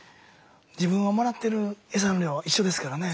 自分はもらってるエサの量一緒ですからね。